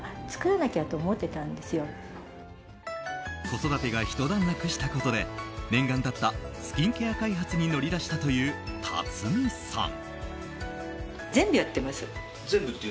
子育てが、ひと段落したことで念願だったスキンケア開発に乗り出したという立見さん。